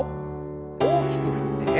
大きく振って。